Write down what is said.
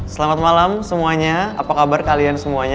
selamat malam semuanya apa kabar kalian semuanya